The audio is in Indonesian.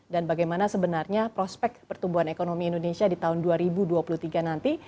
dan bagaimana sebenarnya prospek pertumbuhan ekonomi indonesia di tahun dua ribu dua puluh tiga nanti